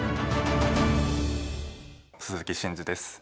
鈴木伸二です。